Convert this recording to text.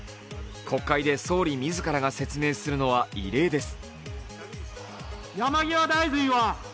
国会で総理自らが説明するのは異例です。